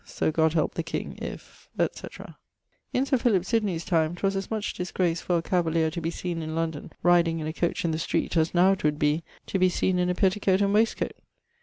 So God help the king if, etc. In Sir Philip Sydney's time 'twas as much disgrace for a cavalier to be seen in London rideing in a coach in the street as now 'twould be to be seen in a petticoate and wastcoate.